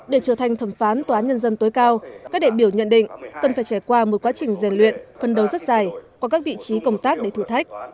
để trở thành thẩm phán tòa án nhân dân tối cao các đại biểu nhận định cần phải trải qua một quá trình rèn luyện phân đấu rất dài qua các vị trí công tác để thử thách